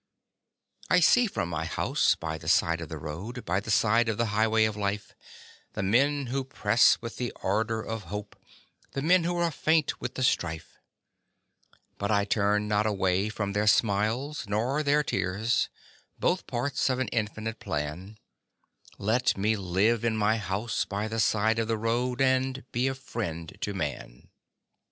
I see from my house by the side of the road, By the side of the highway of life, The men who press with the ardor of hope, The men who are faint with the strife. But I turn not away from their smiles nor their tears Both parts of an infinite plan; Let me live in my house by the side of the road And be a friend to man.